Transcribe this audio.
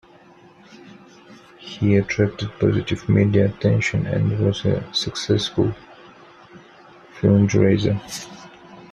He attracted positive media attention and was a successful fundraiser.